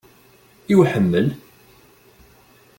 I uḥemmel?